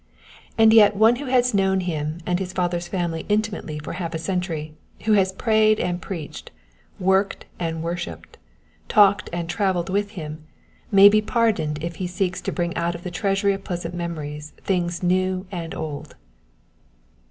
And yet one who has known him and his father's family intimately for half a century, who has prayed and preached, worked and worshipped, talked and travelled with him, may be pardoned if he seeks to bring out of the treasury of pleasant memories things new and old.